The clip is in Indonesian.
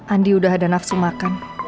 andi udah ada nafsu makan